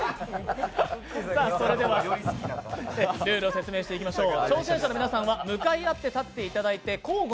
それでは、ルールを説明していきましょう。